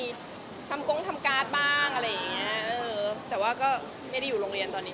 มีทำโก๊งทำกาสบ้างแต่ไม่ได้อยู่โรงเรียนตอนนี้